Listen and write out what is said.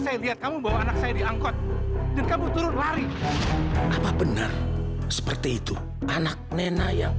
saya lihat kamu bawa anak saya diangkot dan kamu turun lari apa benar seperti itu anak nena yang